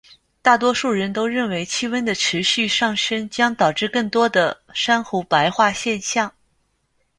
大多数人都认为气温的持续上升将导致更多的珊瑚白化现象。